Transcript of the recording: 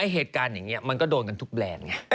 เหตุการณ์อย่างนี้มันก็โดนกันทุกแบรนด์ไง